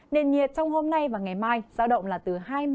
nền nhiệt trong hôm nay và ngày mai giao động là từ hai mươi đến năm mươi mm